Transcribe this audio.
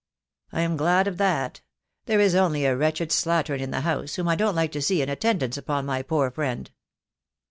"I am glad of that. There is only a wretched slattern in the house, whom I don't like to see in attendance upon my poor friend."